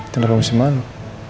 dan kamu siapa